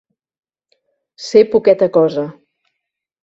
Ser poqueta cosa.